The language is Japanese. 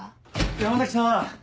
山崎さん。